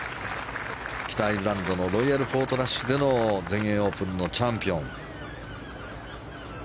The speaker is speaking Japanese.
北アイルランドのロイヤルポートラッシュでの全英オープンのチャンピオン。